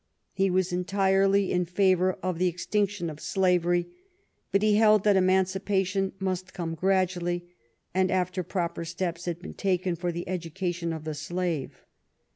He was entirely in favor of the ex tinction of slavery, but he held that emancipation must come gradually and after proper steps had been taken for the education of the slave.